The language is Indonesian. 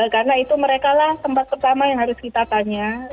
karena itu mereka lah tempat pertama yang harus kita tanya